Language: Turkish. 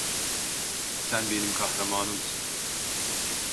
Sen benim kahramanımsın.